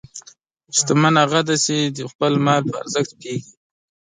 شتمن هغه دی چې د خپل مال په ارزښت پوهېږي.